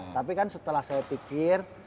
tapi kan setelah saya pikir